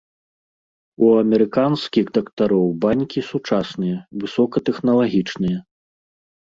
У амерыканскіх дактароў банькі сучасныя, высокатэхналагічныя.